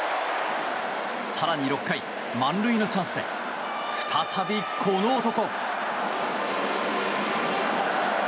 更に６回満塁のチャンスで再びこの男。